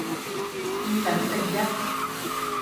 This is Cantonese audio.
意粉剩一